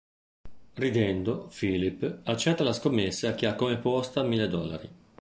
Ridendo, Philip accetta la scommessa che ha come posta mille dollari.